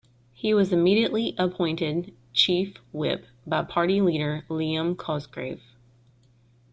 He was immediately appointed Chief Whip by party leader Liam Cosgrave.